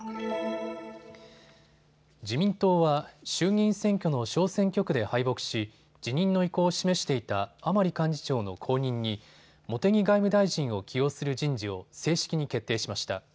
自民党は衆議院選挙の小選挙区で敗北し辞任の意向を示していた甘利幹事長の後任に茂木外務大臣を起用する人事を正式に決定しました。